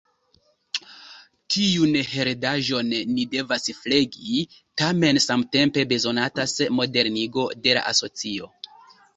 Tiun heredaĵon ni devas flegi, tamen samtempe bezonatas modernigo de la asocio.